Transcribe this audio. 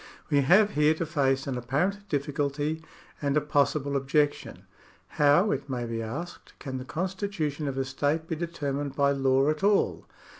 We have here to face an apparent difficulty and a possible objection. How, it may be asked, can the constitution of a state be determined by law at all